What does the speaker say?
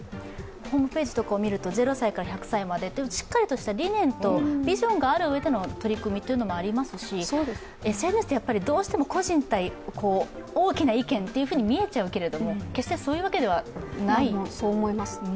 ホームページとかを見ると０歳から１００歳までというしっかりとした理念とビジョンがあるうえでの取り組みもありますし、ＳＮＳってどうしても個人対大きな意見と見えちゃうけれども、決してそういうわけではない。